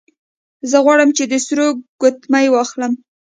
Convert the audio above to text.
زه غواړم چې د سرو ګوتمۍ واخلم